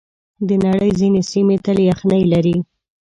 د نړۍ ځینې سیمې تل یخنۍ لري.